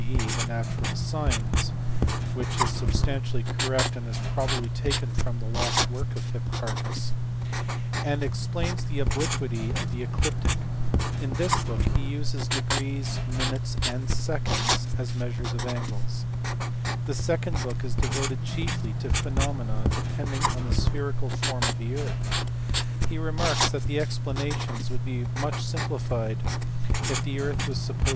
e. of natural sines (which is substantially correct and is probably taken from the lost work of Hipparchus) ; and explains the obliquity of the ecliptic ; in this book he uses degrees, minutes, and seconds as measures of angles. The second book is devoted chiefly to phenomena depending on the spherical form of the earth: he remarks that the explanations would be much simplified if the earth were supposed to rotate on its axis once * See the article Ptolemaeus Claudius by A.